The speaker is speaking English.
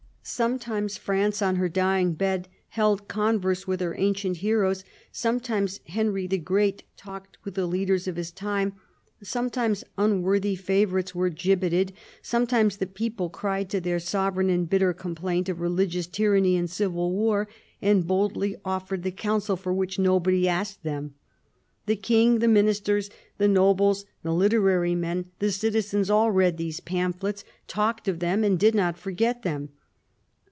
Sometimes France, on her dying bed, held converse with her ancient heroes ; sometimes Henry the Great talked with the leaders of his time ; sometimes unworthy favourites were gibbeted ; sometimes the people cried to their sovereign in bitter complaint of religious tyranny and civil war, and boldly offered the counsel for which nobody asked them. The King, the Ministers, the nobles, the literary men, the citizens, all read these pamphlets, talked of them, and did not forget them.